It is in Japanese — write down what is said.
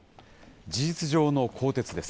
事実上の更迭です。